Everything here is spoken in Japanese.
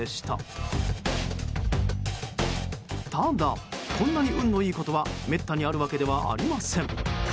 ただ、こんなに運のいいことはめったにあるわけではありません。